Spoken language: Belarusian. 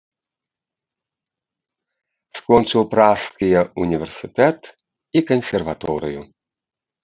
Скончыў пражскія ўніверсітэт і кансерваторыю.